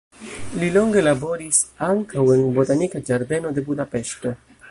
Li longe laboris ankaŭ en botanika ĝardeno de Budapeŝto.